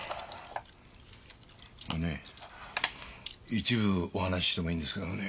ねぇ一部お話ししてもいいんですけもどね。